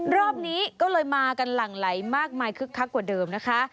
รอบนี้ก็เลยมากันหลั่งไหลมากมายคึกคักกว่าเดิมนะคะ